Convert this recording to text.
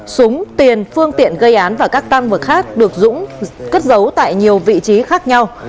súng tiền phương tiện gây án và các tam vật khác được dũng cất giấu tại nhiều vị trí khác nhau